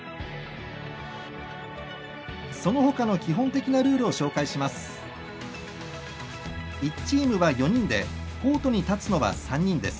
そのほかの基本的なルールを紹介します。